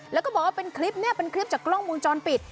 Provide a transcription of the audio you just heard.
แล้วก็บอกว่าเป็นคลิปนี้เป็นคลิปจากกล้องวงจรปิด